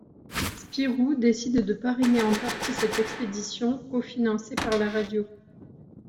Spirou décide de parrainer en partie cette expédition cofinancée par la radio.